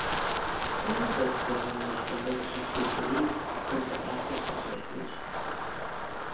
Ten intención o Ministerio de substituír a curto prazo estes medios?